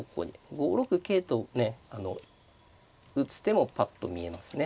５六桂とね打つ手もぱっと見えますね。